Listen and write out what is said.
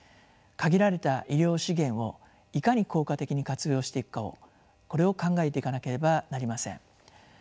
限られた医療資源をいかに効果的に活用していくかをこれを考えていかなければなりません。